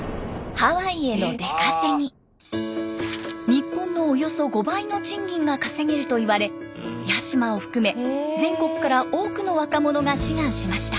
日本のおよそ５倍の賃金が稼げるといわれ八島を含め全国から多くの若者が志願しました。